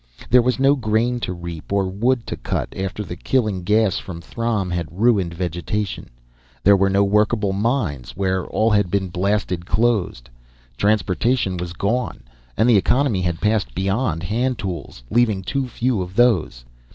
There was no grain to reap or wood to cut after the killing gas from Throm had ruined vegetation; there were no workable mines where all had been blasted closed. Transportation was gone. And the economy had passed beyond hand tools, leaving too few of those.